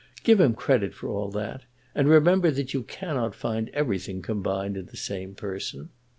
Give him credit for all that, and remember that you cannot find everything combined in the same person.